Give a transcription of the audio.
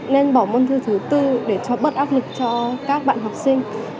nên bỏ môn thứ thứ bốn để cho bớt áp lực cho các bạn học sinh